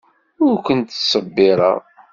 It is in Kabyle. Ur kent-ttṣebbireɣ.